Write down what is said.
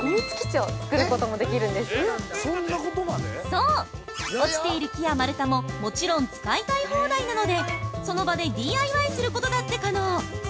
◆そう、落ちている木や丸太ももちろん使いたい放題なので、その場でＤＩＹすることだって可能。